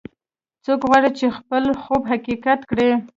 څوک غواړي چې خپل خوب حقیقت کړي